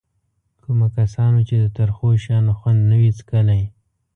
کومو کسانو چې د ترخو شیانو خوند نه وي څکلی.